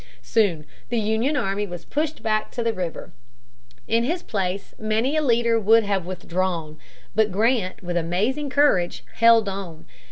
Soon the Union army was pushed back to the river. In his place many a leader would have withdrawn. But Grant, with amazing courage, held on.